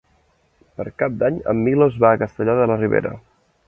Per Cap d'Any en Milos va a Castellar de la Ribera.